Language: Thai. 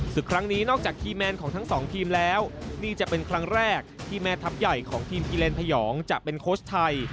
ครั้งนี้นอกจากคีย์แมนของทั้งสองทีมแล้วนี่จะเป็นครั้งแรกที่แม่ทัพใหญ่ของทีมกิเลนพยองจะเป็นโค้ชไทย